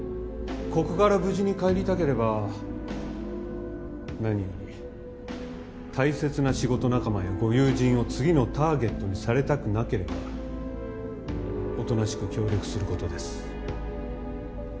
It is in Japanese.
ここから無事に帰りたければ何より大切な仕事仲間やご友人を次のターゲットにされたくなければおとなしく協力する事です。